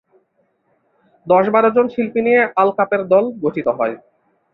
দশ-বারোজন শিল্পী নিয়ে আলকাপের দল গঠিত হয়।